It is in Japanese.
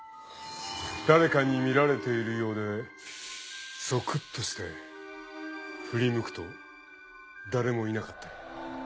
誰かに見られているようでゾクッとして振り向くと誰もいなかったり。